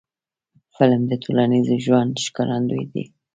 فلم د ټولنیز ژوند ښکارندوی دی